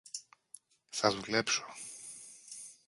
Θα δουλέψω!